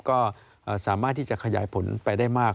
ก็สามารถที่จะขยายผลไปได้มาก